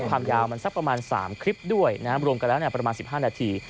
ความยาวสัก๓คลิปด้วยรวมกันแล้วประมาณ๑๕นาที